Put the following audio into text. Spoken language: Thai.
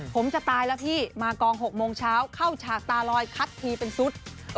ผมจะตายแล้วพี่มากอง๖โมงเช้าเข้าฉากตาลอยคัดทีเป็นสุด